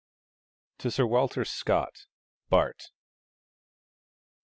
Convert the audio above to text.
To Sir Walter Scott, Bart.